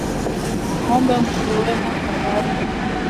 Wanyama wengine wanaoathiriwa ni ngombe nguruwena farasi